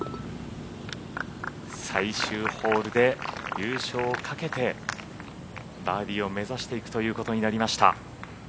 最終ホールで優勝をかけてバーディーを目指していくということになりました。